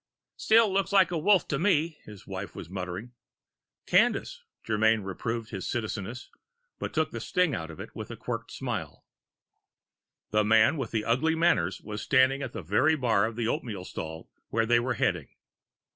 " still looks like Wolf to me," his wife was muttering. "Cadence," Germyn reproved his Citizeness, but took the sting out of it with a Quirked Smile. The man with the ugly manners was standing at the very bar of the oatmeal stall where they were heading.